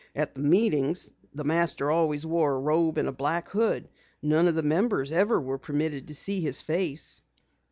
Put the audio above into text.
"At the meetings, the Master always wore a robe and a black hood. None of the members ever were permitted to see his face."